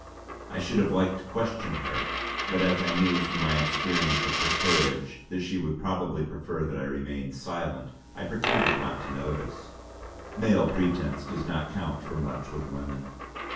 I should have liked to question her, but as I knew from my experience of her courage that she would probably prefer that I remained silent, I pretended not to notice. Male pretence does not count for much with women.